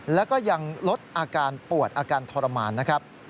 แล้วก็ยังลดอาการปวดอาการทรมานนะครับ